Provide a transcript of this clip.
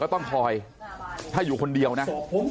ต้องคอยถ้าอยู่คนเดียวนะ